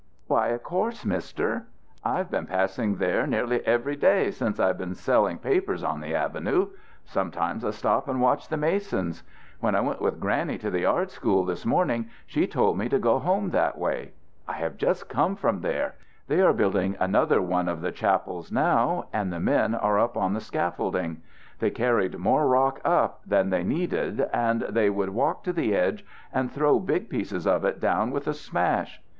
"Why, of course, Mister. I've been passing there nearly every day since I've been selling papers on the avenue. Sometimes I stop and watch the masons. When I went with Granny to the art school this morning, she told me to go home that way. I have just come from there. They are building another one of the chapels now, and the men are up on the scaffolding. They carried more rock up than they needed and they would walk to the edge and throw big pieces of it down with a smash.